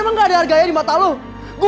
apa yang trotzdem